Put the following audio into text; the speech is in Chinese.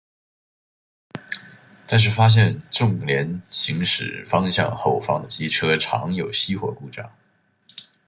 但是发现重联行驶方向后方的机车常有熄火故障。